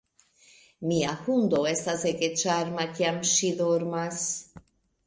Mia hundo estas ege ĉarma, kiam ŝi dormas.